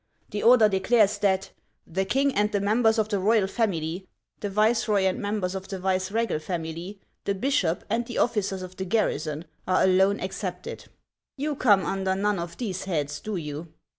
The order declares that ' the king and the members of the royal family, the viceroy and members of the vice regal family, the bishop, and the officers of the garrison, are alone excepted.' You come under none of these heads, do you